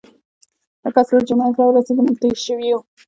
د کڅ لوے جومات راورسېدۀ مونږ تږي شوي وو